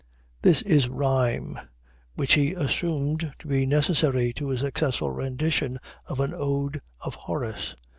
This is rhyme, which he assumed to be necessary to a successful rendition of an ode of Horace.